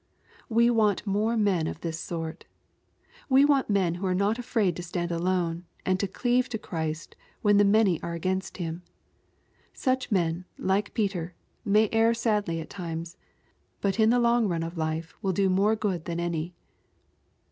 We want more men of this sort. We want men who are not afraid to stand alone, and to cleave to Christ when the many are against Him. Such men, like! Peter, may err sadly at times, but in the long run of life will do more good than any.